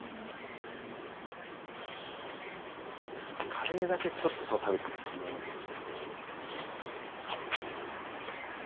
カレーだけちょっと食べてみようかもうちょっと。